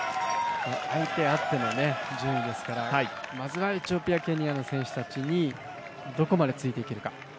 相手あっての順位ですからまずはエチオピア、ケニアの選手にどこまでついていけるか。